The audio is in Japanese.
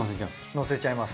のせちゃいます。